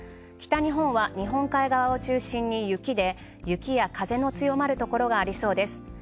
北日本は日本海側を中心に雪で、雪や風の強まるところがありそうです。